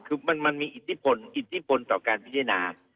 คือมันมีอิติบลต่อการพิเศษนา